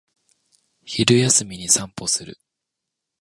昼休みに散歩する